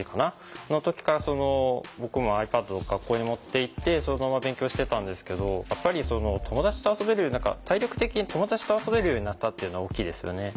その時から僕もｉＰａｄを学校に持っていってそのまま勉強してたんですけどやっぱり友達と遊べるより何か体力的に友達と遊べるようになったっていうのは大きいですよね。